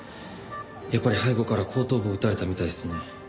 やっぱり背後から後頭部を撃たれたみたいですね。